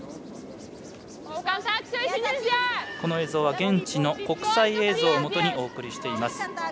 この映像は現地の国際映像をもとにお送りしています。